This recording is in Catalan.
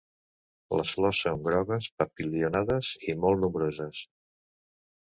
Les flors són grogues, papilionades i molt nombroses.